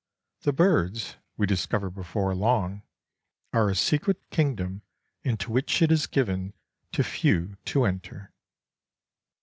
The birds, we discover before long, are a secret kingdom into which it is given to few to enter.